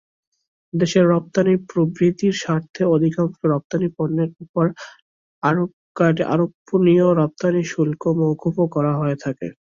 দেশের রপ্তানী প্রবৃদ্ধির স্বার্থে অধিকাংশ রপ্তানী পণ্যের ওপর আরোপনীয় রপ্তানী শুল্ক মওকুফ করা হয়ে থাকে।